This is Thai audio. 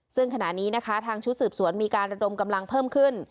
ซึ่งขณะนี้นะคะทางชุดสืบสวนมีการระดมกำลังเพิ่มขึ้น